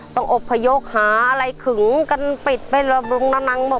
ต้องอบพยกหาอะไรขึงกันปิดไปลงนางหมด